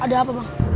ada apa bang